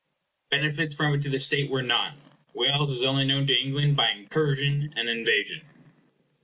Benefits from it to the state there were none. Wales was only known to England by incursion and invasion.